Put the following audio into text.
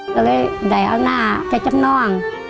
ก็เลยได้เอาหน้าไปจำนอง